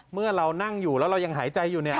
เมื่อเรานั่งอยู่แล้วเรายังหายใจอยู่เนี่ย